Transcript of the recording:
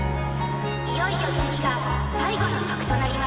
いよいよ次が最後の曲となります。